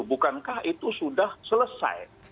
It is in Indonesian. bukankah itu sudah selesai